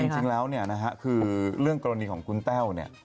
จริงแล้วเนี่ยเรื่องกรณีของคุณแต่ว